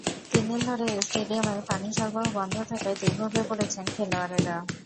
তিন দিন ধরে স্টেডিয়ামের পানি সরবরাহ বন্ধ থাকায় দুর্ভোগে পড়েছেন খেলোয়াড়েরা।